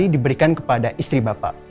diberikan ke istri bapak